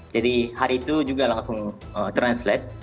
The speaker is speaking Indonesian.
jadi hari itu juga langsung translate